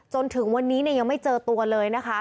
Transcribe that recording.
จนถึงวันนี้ยังไม่เจอตัวเลยนะคะ